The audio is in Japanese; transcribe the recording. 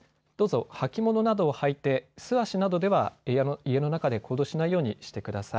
どうぞ履物などをはいて素足などでは、家の家の中で行動しないようにしてください。